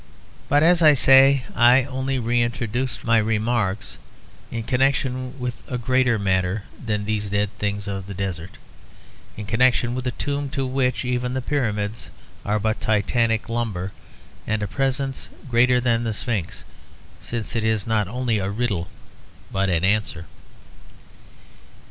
But as I say, I only reintroduce my remarks in connection with a greater matter than these dead things of the desert; in connection with a tomb to which even the Pyramids are but titanic lumber, and a presence greater than the Sphinx, since it is not only a riddle but an answer.